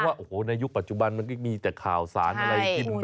เพราะว่าในยุคปัจจุบันมันก็ยังมีแต่ข่าวสารอะไรกินแบบนี้